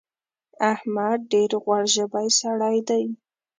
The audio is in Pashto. احمد ډېر غوړ ژبی سړی دی.